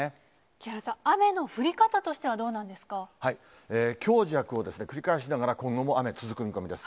木原さん、雨の降り方として強弱を繰り返しながら、今後も雨、続く見込みです。